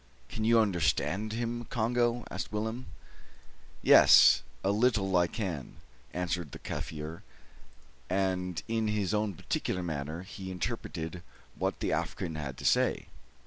"Can you understand him, Congo?" asked Willem. "Yaas, a little I can," answered the Kaffir; and in his own peculiar manner he interpreted what the African had to say.